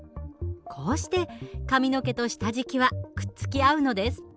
こうして髪の毛と下敷きはくっつき合うのです。